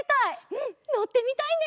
うんのってみたいね！